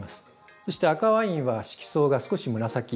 そして赤ワインは色相が少し紫。